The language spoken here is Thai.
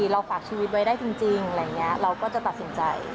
เราฝากชีวิตไว้ได้จริงอะไรอย่างนี้เราก็จะตัดสินใจ